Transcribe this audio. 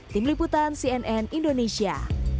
tim liputan cnn indonesia